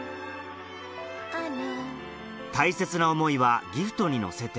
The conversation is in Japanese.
大切な思いはギフトに乗せて